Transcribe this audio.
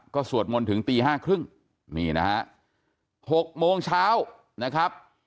ก็สวดมนต์ถึงตี๕๓๐นี่นะฮะ๖โมงเช้านะครับ